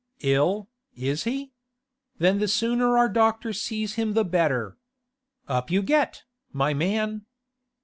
'Ill, is he? Then the sooner our doctor sees him the better. Up you get, my man!